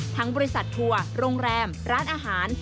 บริษัททัวร์โรงแรมร้านอาหาร